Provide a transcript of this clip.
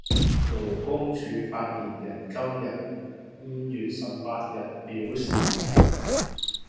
勞工處發言人今日（五月十八日）表示